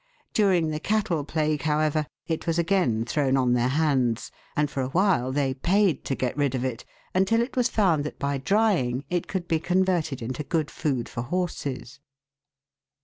During the cattle plague, however, it was again thrown on their hands, and for a while they paid to get rid of it, until it was found that by drying, it could be converted into good food for horses.